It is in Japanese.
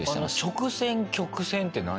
直線曲線って何？